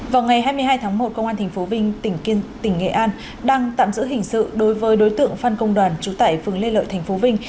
vào ngày hai mươi hai tháng một công an tp vinh tỉnh nghệ an đang tạm giữ hình sự đối với đối tượng phan công đoàn chủ tải phường lê lợi tp vinh